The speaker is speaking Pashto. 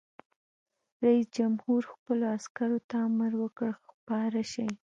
رئیس جمهور خپلو عسکرو ته امر وکړ؛ خپاره شئ!